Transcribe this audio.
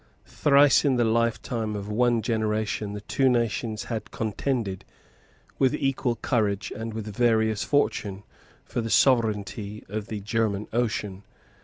Thrice in the lifetime of one generation the two nations had contended, with equal courage and with various fortune, for the sovereignty of the German Ocean.